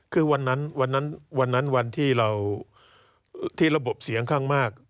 คือวันนั้นวันนั้นวันที่เราที่ระบบเสียงข้างมาก